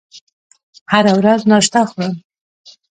هره ورځ ناشته خورم